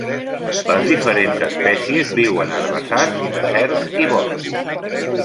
Les diferents espècies viuen a herbassars, deserts i boscos.